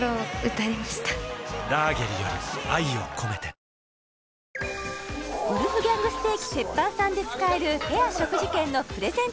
どん兵衛ウルフギャング・ステーキＴＥＰＰＡＮさんで使えるペア食事券のプレゼント